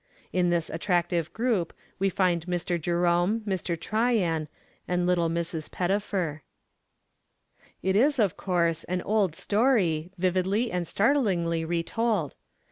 In this attractive group we find Mr. Jerome, Mr. Tryan, and little Mrs. Pettifer. It is, of course, an old story, vividly and startlingly retold.